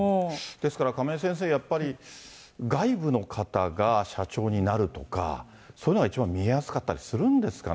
ですから亀井先生、やっぱり、外部の方が社長になるとか、そういうのが一番見えやすかったりするんですかね。